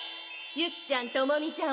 ユキちゃんトモミちゃん